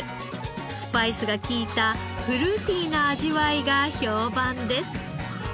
スパイスが利いたフルーティーな味わいが評判です。